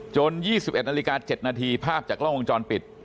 ๒๑นาฬิกา๗นาทีภาพจากกล้องวงจรปิด